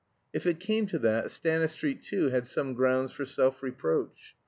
If it came to that, Stanistreet too had some grounds for self reproach.